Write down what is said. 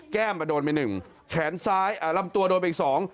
มาโดนไปหนึ่งแขนซ้ายอ่าลำตัวโดนไปอีกสอง